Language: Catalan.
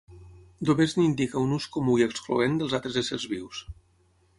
Només n'indica un ús comú i excloent dels altres éssers vius.